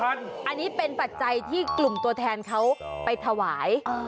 อันนี้เป็นปัจจัยที่กลุ่มตัวแทนเขาไปถวาย